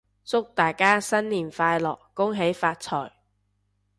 祝大家新年快樂！恭喜發財！